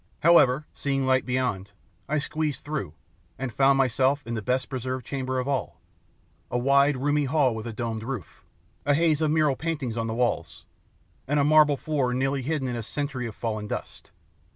However, seeing light beyond, I squeezed through, and I found myself in the best preserved chamber of all a wide, roomy hall with a domed roof, a haze of mural paintings on the walls, and a marble floor nearly hidden in a century of fallen dust.